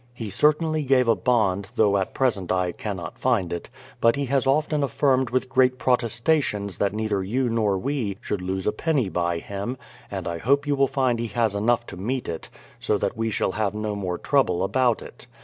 He cer tainly gave a bond, though at present I cannot find it; but he has often affirmed with great protestations that neither you nor we should lose a penny by him, and I hope you will find he has enough to meet it, so that we shall have no more trouble about it.